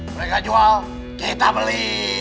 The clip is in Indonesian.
mereka jual kita beli